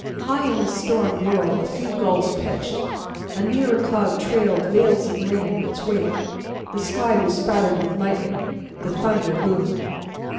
High in the storm whirl a few gulls pitched; a nearer cloud trailed veils of rain in its wake; the sky was spattered with lightning; the thunder boomed.